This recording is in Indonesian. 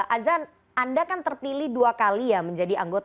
azan anda kan terpilih dua kali ya menjadi anggota